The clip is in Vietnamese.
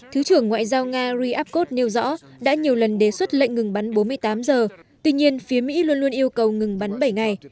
thứ trưởng ngoại giao nga ryabkot nêu rõ đã nhiều lần đề xuất lệnh ngừng bắn bốn mươi tám giờ tuy nhiên phía mỹ luôn luôn yêu cầu ngừng bắn bảy ngày